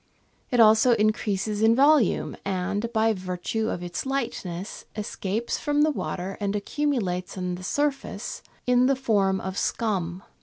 It also increases in volume, and, by virtue of its lightness, escapes from the water and accumulates on the surface in the form of scum.